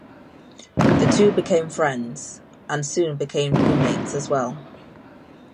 The two became friends, and soon became roommates as well.